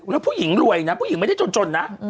แล้วผู้หญิงรวยนะผู้หญิงไม่ได้จนนะ